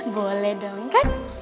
boleh dong kan